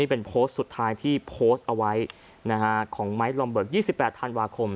นี่เป็นโพสต์สุดท้ายที่โพสต์เอาไว้นะคะของไมค์ลอมเบิร์กยี่สิบแปดธันวาคม